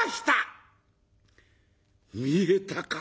「見えたか？」。